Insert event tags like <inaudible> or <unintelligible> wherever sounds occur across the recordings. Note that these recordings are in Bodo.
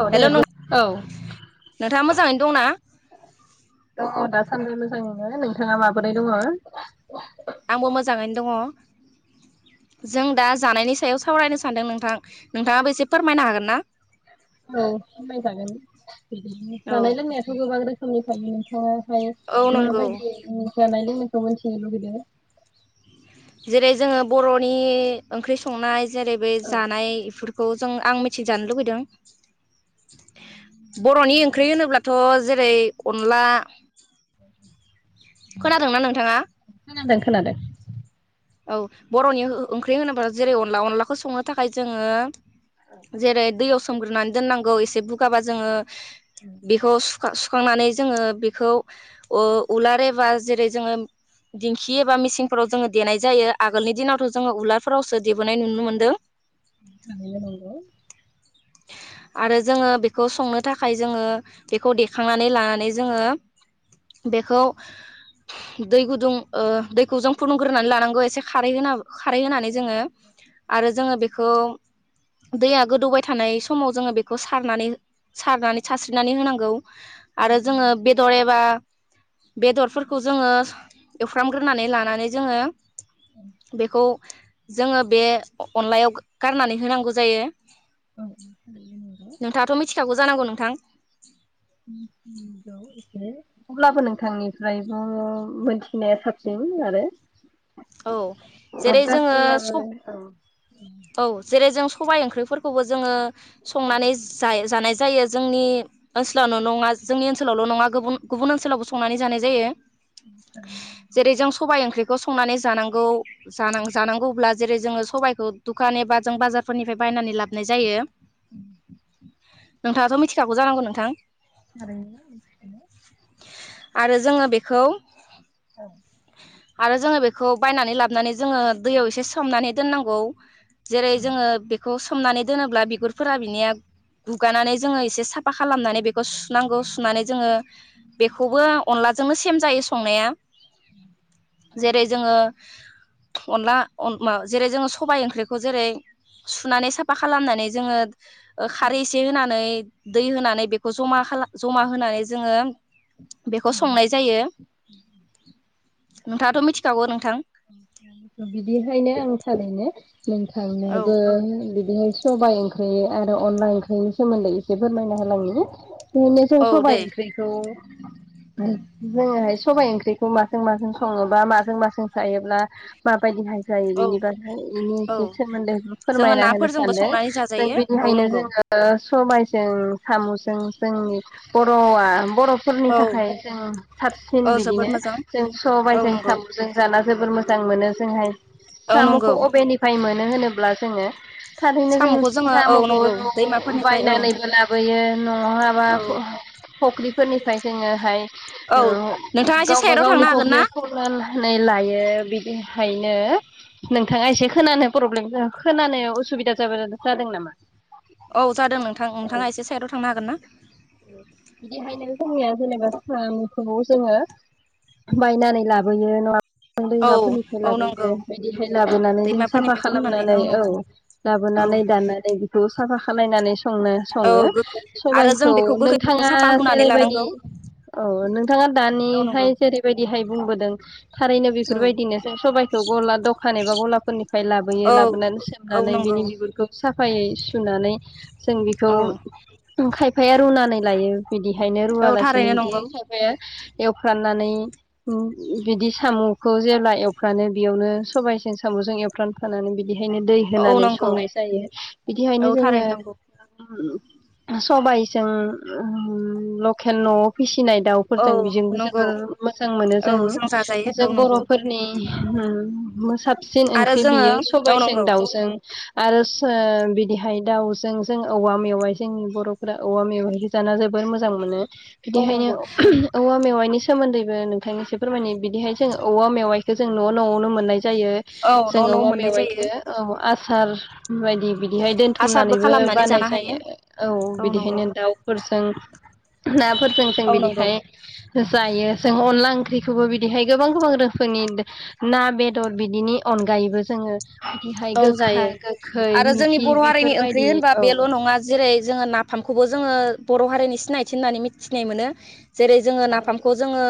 औ दे हेल' बुं नों औ नोंथाङा मोजाङैनो दंना? दङ दासान्दि मोजाङैनो नोंथाङा माबोरै दङ? आंबो मोजाङैनो दङ जों दा जानायनि सायाव सावरायनो सानदों नोंथां नोंथाङाबो एसे फोरमायनो हागोन ना? औ फोरमाय जागोन। बिदिनो औ जानाय लोंनायाथ' गोबां रो <inaudible> औ <unintelligible> नंगौ माबायदि जानाय लोंनाय मोनथिनो लुगैदो जेरै जोङो बर'नि ओंख्रि संनाय जेरै बे जानाय इफोरखौ जों आं मिथिजानो लुगैदों बर'नि ओंख्रि होनोब्लाथ' जेरै अनला खोनादोंना नोंथाङा? खोनादों खोनादों। औ बर'नि ओंख्रि होनोब्ला जेरै अनला अनलाखौ संनो थाखाय जोङो जेरै दैयाव सोमग्रोनानै दोननांगौ एसे बुगाबा जोङो बेखौ सुखांनानै जोङो बेखौ उ उलार एबा जेरै जोङो दिंखि एबा मिसिंफोराव देनाय जायो आगोलनि दिनावथ' जोङो उलारफोरावसो देबोनाय नुनो मोनदों। थारैनो नंगौ। आरो जोङो बेखौ संनो थाखाय जोङो बेखौ देखांनानै लानानै जोङो बेखौ दै गुदुं ओ दैखौ जों फुदुंग्रोनानै लानांगौ एसे खारै होना खारै होनानै जोङो आरो जोङो बेखौ दैया गोदौबाय थानाय समाव जोङो बेखौ सारनानै सारनानै सारस्रिनानै होनांगौ। आरो थारैनो जोङो नंगौ बेदर एबा बेदरफोरखौ जोङो एवफ्रामग्रोनानै लानानै जोङो बेखौ जोङो बे अनलायाव गारनानै होनांगौ जायो। औ थारैनो नंगौ। थिखागखौ जानांगौ नोंथां? मिनथिगौ एसे अब्लाबो नोंथांनिफ्रायबो मोनथिनाया साबसिन आरो। औ जेरै जोङो गासैयाबो सब औ औ जेरै जों स बाय ओंख्रिफोरखौबो जोङो संनानै जाय जानाय जायो जोंनि ओनसोलावल' नङा जोंनि ओनसोलावल' नङा गुबुन गुबुन ओनसोलावबो संनानै जानाय जायो। <inaudible> खौ संनानै जानांगौ जानां जानांगौब्ला जेरै जोङो सबाइखौ दुखान एबा जों बाजारफोरनिफ्राय बायनानै लाबोनाय जायो। नोंथाङाथ' मिथिखागौ जानांगौ नोंथां? आरो औ औ आरो जोङो बेखौ औ आरो जोङो बे खौ बायनानै लाबोनानै जोङो दैयाव एसे सोमनानै दोननांगौ। जेरै औ जोङो बेखौ सो हमनानै दोनोब्ला बिगुरफोरा बिनिया गुगानानै जोङो एसे साफा खालामनानै बेखौ सुनांगौ सुनानै जोङो बेखौबो अनलाजोंनो सेम जायो संनाया जेरै जोङो अनला अन माव जेरै जोङो सबाय ओंख्रिखौ जेरै सुनानै साफा खालामनानै जोङो खारै एसे होनानै दै होनानै बेखौ जमा खालाम जमा होनानै जोङो बेखौ थारैनो संनाय जायो नोंथाङाथ' मिथि खागौ नोंथां बिदिहायनो ओं थारैनो नों औ थांनोबो बिदिनो सबायाइ ओंख्रि आरो अनला ओंख्रिनि सोमोन्दै एसे फोरमायना होलांङो उनोसो औ दे सबायाइ ओंख्रिखौ जोङोहाय सबाय ओंख्रिखौ माजों माजों सङोबा माजों माजों थायोब्ला माबायदि हायो जायो औ बेनि बारै बेनि औ एसे सोमोन्दै जोङो फोरमायना होनो नाफोरजोंबो सानदों संनानै जों जाजायो औ बिनिखायनो नंगौ जोङो सबायजों सामुजों जोंनि बर'आ बर'फोरनि औ थाखाय जों औ साबसिन जोबोद बिदिनो मोजां जों औ सबायजों नंगौ साम'जों जोबोर मोजां मोनो जोंहाय औ साम'खौ नंगौ अबेनिफ्राय मोनो होनोब ब्ला जोङो थारैनो जों साम'खौ जोङो औ सिखाम'खौ नंगौ दैमाफोरनिफ्राय औ बायनानैबो लाबोयो नहाबा औ फ- फुख्रिफोरनि ओमफ्राय जोङोहाय औ नोंथाङा नआव एसे गावबा साइदाव गावनि थांनो हागोन ना फख्रियाव खना नै लायो बिदिहायनो नोंथाङा एसे खोनानो प्रब्लेम खोनानायाव असुबिदा जाब जादों नामा औ जादों नोंथां नोंथाङा एसे साइदआव थांनो हागोन ना बिदिहायनो जोंनिया जेनेबा साम'खौबो जोङो बायनानै लाबोयो न'आव औ दैमाफोरनिफ्राय औ लाबोयो नंगौ बायदिहाय लाबोनानै जों साफा दैमाफोरनिफ्राय खननानै खालामनानै औ नंगौ औ लाबोनानै दाननानै बेखौ साफा खालायनानै संनो सङो औ सबाय आरो जों बेखौ गोखै नोंथाङा साफा हुनानै जेरैबायदि लानांगौ औ नोंथाङा औ नंगौ दानिहाय जेरैबायदिहाय बुंबोदों थारैनो औ बेफोरबायदिनो सबायाइखौ गला दखान एबा गलाफोरनिफ्राय लाबोयो औ लाबोनानै औ सोमनानै नंगौ बिनि बिगुरखौ साफ फायै सुनानै जों बेखौ औ खाय खायफाया रुनानै लायो बिदिहायनो औ रुवालासेनो थारैनो बिदि नंगौ खायफाया एवफ्रानानै ओम बिदि साम'खौ जेब्ला एवफ्रानो बेयावनो सबायसेन साम'जों एवफ्रामखानानै बि हायनो दै औ होनानै नंगौ संनाय जायो बिदिहायनो औ जोङो थारैनो नंगौ ओम सबाइ जों लकेल न'आव फिसि नाय औ दाउफोरजों बेजोंबो नंगौ जोबोर मोजां मोनो औ जों जाजायो जों औ नंगौ बर'फोरनि होम साबसिन आरो ओंख्रि जोङो बियो औ सबायजों नंगौ दाउजों आरो सो बिदिहाय दाउजों जों औवा मेवाय जोंनि बर'फोरा औवा मेवाइखो जाना जोबोर मोजां मोनो । औ बिदिखायनो नंगौ औवा मेवाइ नि सोमोन्दैबो नोंथांनि एसे फोरमायनि बिदिहाय जों औवा मेवाइ खो जों न' न'आवनो मोननाय जायो औ जोङो न' न' औवा मोननाय जायो मेवाइखो ओ आ सार बाय दि बिदिहाय आसारबो दोनथुमनानैबो खालामनानै बानाय जानो हायो जायो औ बिदिहायनो दाउफोरजों नाफोरजों जों औ नंगौ बिदिहाय जायो जों अनला ओंख्रिखौबो बिदिहाय गोबां गोबां रोखोमनि ना बेदर बिदिनि अनगायैबो जोङो बिदिहाय औ जायो गोखा गोखै आरो जोंनि मिखि बर' हारिनि ओंख्रि बेफोरबायदि होनबा औ बेल' नङा जेरै जोङो नाफाम खौबो जोङो बर' हारिनि सिनायथि होननानै मिथिनाय मोनो । जेरै जोङो आरो नाफामखौ जोङो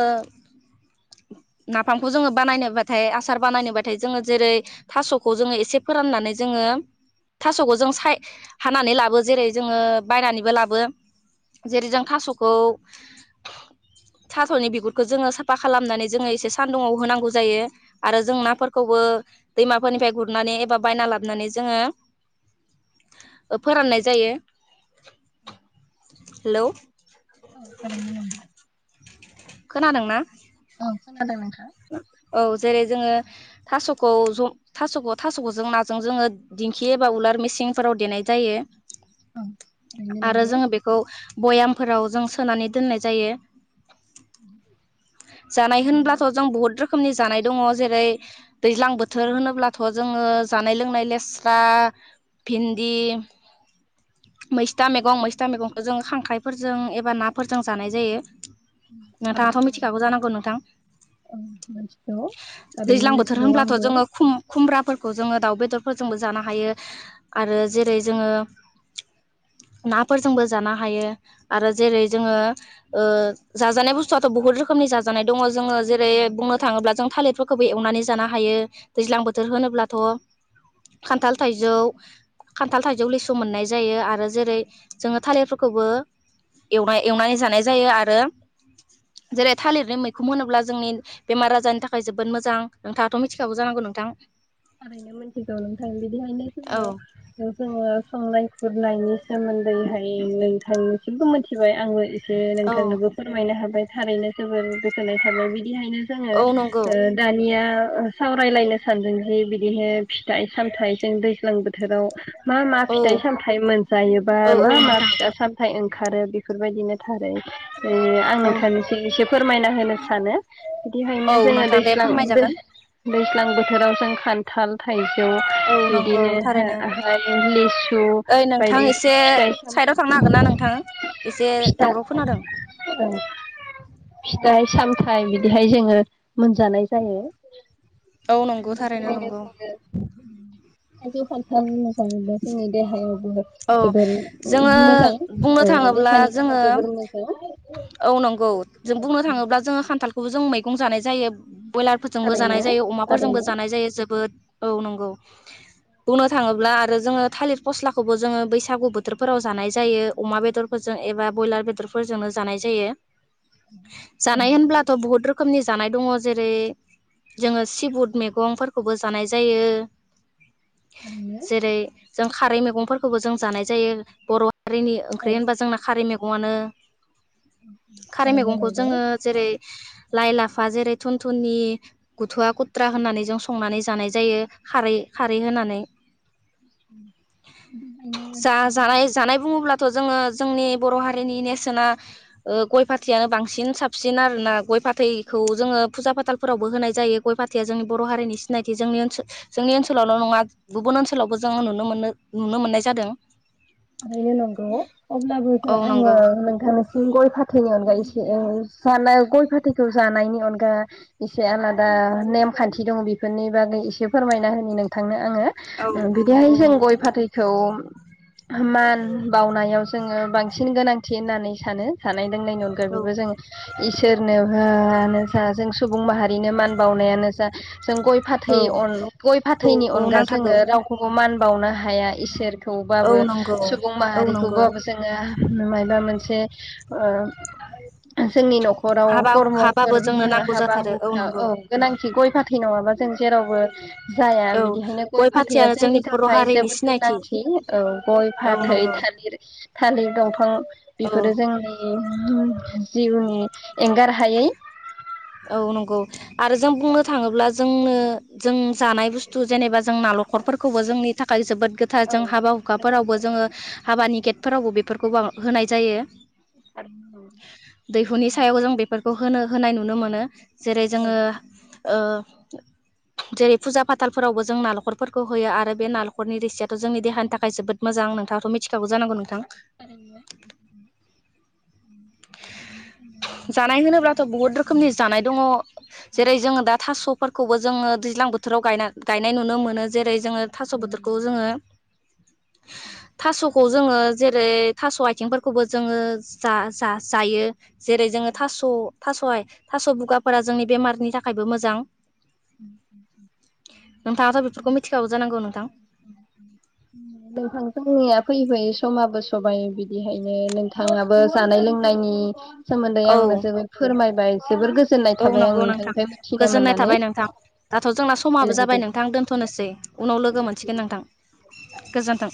नाफामखौ जोङो बानायनोबाथाय आसार बानायनोबाथाय जोङो जेरै थास'खौ जोङो एसे एसे फोराननानै जोङो थास'खौ जों साय हानानै लाबो जेरै जोङो बायनानैबो लाबो जेरै जों थास'खौ थास'नि बिगुरखौ जोङो साफा खालामनानै जोङो एसे सानदुंङाव होनांगौ जायो आरो जों नाफोरखौबो दैमाफोरनिफ्राय गुर नानै एबा बायना लाबोनानै जोङो फोराननाय जायो । हेलौ खोनादोंना? औ खोनादों नोंथां। औ जेरै जोङो थास'खौ ज थास'खौ थास'खौ जों नाजों जोङो दिंखि एबा उलार मेसिंफोराव देनाय जायो। आरो जोङो बेखौ। भयामफोराव जों सोनानै दोननाय जायो। जानाय होनब्ला। आ बहुत रोखोमनि जानाय दङ जेरै। दैज्लां बोथोर होनोब्लाथ'। जोङो जानाय लोंनाय लेस्रा भिन्दि। मैस्था मैगं मैस्था मैगंखौ जोङो। खांख्राइफोरजों एबा नाफोरजों जानाय जायो। नोंथाङाथ' मिथिखागौ जानांगौ नोंथां। औ मिथिगौ ओरैनो दैज्लां बोथोर मिथिगौ होनब्लाथ' आंबो। जोङो खुम खुमब्राफोरखौ जोङो दाउ बेदरफोरजोंबो जानो हायो आरो जेरै जोङो नाफोरजोंबो जानो हायो आरो। जेरै जोङो ओ। जाजानाय बुस्थुआथ' बहुत रोखोमनि जाजानाय दङ। जोङो जेरै बुंनो थाङोब्ला जों थालिरफोर। खोबो एवनानै जानो हायो दैज्लां बोथोर होनोब्लाथ' खान्थाल थाइजौ खान्थाल थाइजौ लिसु मोननाय जायो आरो जेरै जोङो थालिरफोरखौबो एवनाय एवनानै जानाय जायो आरो जेरै थालिरनि मैख। बेखौ मोनोब्ला जोंनि बेमार आजारनि थाखाय जोबोद मोजां नोंथांयाथ मिथिखागौ जानांगौ नोंथां। ओरैनो मिथिगौ नोंथां बिदिहायनो औ जोंङो- जोंङो संनाय। गुरनायनि सोमोन्दैहाय नोंथांनिसिमबो मिथिबाय आंबो। रो औ नोंथांनोबो फोरमायनो हाबाय। थारैनो जोबोर गोजोननाय थाबाय बि दिहायनो जोंङो औ नंगौ दानिया। ओ सावरायलायनो सानदोंङो। ओ बिदिहो फिथाइ सामथायाइ जों दैज्लां बोथोराव। मा मा औ फिथाइ सामथायाइ मोनजायोबा औ औ मा मा नोंथां फिथा सामथाय ओ। ओंखारो बेफोरबायदिनो थारो। औ आं औ नंगौ नोंथांनोसो एसे फोर फोरमायना होनो सानो। बिदिखायनो औ जोंङो नोंथां दे दैस्लां दो फोरमायजागोन दैज्लां बोथोराव जों। खान्थाल थायो। बेयाव औ नंगौ बिदिनो हा थारैनो हायेननि लिसु ओइ नोंथां बायदि एसे फिथाय साइदाव थांनो हागोन ना सामथाय नोंथां एसे <inaudible> फिथा दावराव आ खोनादों फिथाय साम। फ्राइ बिदिहाय जोंङो मोनजानाय जायो। औ नंगौ थार। <unintelligible> थायजौ खान्थाल मोजां <unintelligible> जोंनि देहायाव जोबोद औ जोबोर ओ जोङो मोजां बुंनो औ थाङोब्ला देहानि थाखाय जोङो जोबोर मोजां। औ नंगौ जों बुंनो थाङोब्ला जोंङो खान्थाल बो जों मैगं जानाय जायो। बयलारफोरजोंबो जानाय थारैनो जायो अमाफोरजोंबो थारैनो जानाय जायो जोबोद औ नंगौ बुंनो थाङोब्ला आरो जोंङो थालिर फस्लाखौबो जोंङो बैसागु बोथोरफोराव जानाय जायो अमा बेदरफोरजों एबा बयलार बेदरफोरजोंनो जानाय जायो। जानाय होनब्लाथ' बहुत रोख खोमनि जानाय दङ जेरै जोङो सिबुद मेगंफोरखौबो जानाय जायो। जेरै जों खारै मैगंफोरखौबो जों जानाय जायो बर' खारैनि ओंख्रि होनबा जोंना खारै मेग गंआनो खारै मेगंखौ जोङो जेरै लाइ लाफा जेरै थुन थुननि बुथु'आ कुट्रा होनानै जों संनानै जानाय जायो खारै खारै होनानै जा-जानाय जानाय बुङोब्लाथ' जोङो जोंनि बर' हारिनि नेरसोनो ओ गय फाथैआ बांसिन साबसिन आरोना गय फाथैखौ जोङो फुजा फाथालफोरावबो होनाय जायो गय फाथैया जोंनि बर' हारिनि सिनायथि जोंनि ओनसो जोंनि ओनसोलावल' नङा गुबुन ओनसोलावबो जोङो नुनो मोनो नुनो मोननाय जादों। थारैनो नंगौ अब्लाबोथ' औ आङो नंगौ नोंथांनि उम गय फाथैनि अनगा इसे ओ जानाय गय फाथैखौ जानायनि अनगा इसे आलादा नेमखान्थि दङ बिफोरनि बागै इसे फोरमायना होनि नोंथांनो। आङो ओं औ बिदिहाय जों नंगौ गय फाथैखौ मान बावनायाव जोङो बांसिन गोनांथि होननानै सानो जानाय <unintelligible> अनगायै बेबो औ जों इसोरनो हो आनो जा जों सुबुं माहारिनो मान बाउनायानो जा जों गय फाथै अन गय औ फाथैनि औ अनगा नांथारगौ जोङो रावखौबो मान बाउनो हाया इसोर। औ थौबाबो नंगौ सुबुं औ नंगौ माहारिखौबाबो जोङो मायबा मोनसे ओ जोंनि न'खराव हाबा कर्मफोर हुखाबाबो जोंनो नांगौ हाबा जाथारो हुखा नंगौ औ गोनांथि गय फाथै नङाबा जों जेरावबो जाया औ बिदिहायनो गय फाथैया फाथैयानो जोंनि बर' थाखाय हारिनि जोबोद सिनायथि गोनांथि औ गय औ फाथै नंगौ थालिर थालिर दंफां औ बेफोरो जोंनि जिउनि एंगार हायै औ नंगौ आरो जों बुंनो थाङोब्ला जोंनो जों जानाय बुस्थु जेनेबा जों नालखरफोरखौबो जोंनि थाखाय जोबोद गोथार जों हाबा हुखाफोरावबो जोङो हाबानि गेथ फोरावबो बेफोरखौ बां होनाय जायो <inaudible> खौ होनो होनाय नुनो मोनो जेरै जोङो ओ जेरै फुजा फाथालफोरावबो जों नालखरफोरखौ होयो आरो बे नालखरनि रिसियाथ' जोंनि देहानि थाखाय जोबोद मोजां नोंथाङाथ' मिथिखागौ जानांगौ नोंथां? <unintelligible> जानाय होनोब्लाथ' बहुद रोखोमनि जानाय दङ जेरै जोंङो दा थास' फोरखौबो जोङो दैज्लां बोथोराव गायना गायनाय नुनो मोनो जेरै जोङो थास' बोथोरखौ जोङो थास'खौ जोङो जेरै थास' आथिंफोरखौबो जोङो जा, जा जायो जेरै जोङो थास' थास'आय थास' बुगाफोरा जोंनि बेमारनि थाखायबो मोजां <inaudible> नोंथाङाथ' बेफोरखौ मिथिखागौ जानांगौ नोंथां नोंथां जोंनिया फैयै फैयै समाबो सबाइ बिदिहायनो नोंथाङाबो जानाय लोंनायनि सोमोन्दै औ आंनो जोबोद फोरमायबाय जोबोर गोजोननाय औ थाबाय आं नंगौ नोंथां नोंथांनिफ्राय मोनथिना गोजोननाय मोननानै थाबाय नोंथां दाथ' जोंना समाबो जाबाय नोंथां दोन्थ'नोसै उनाव लोगो मोनसिगोन नोंथां गोजोन्थों